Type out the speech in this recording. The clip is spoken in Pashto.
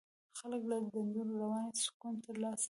خلک له دندو رواني سکون ترلاسه کوي.